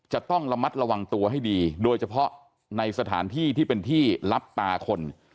จะต้องระมัดระวังตัวให้ดีโดยเฉพาะในสถานที่ที่เป็นที่รับตาคน